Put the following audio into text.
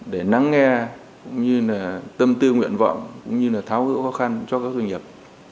để nắng nghe cũng như là tâm tư nguyện vọng cũng như là tháo gỡ khó khăn cho các doanh nghiệp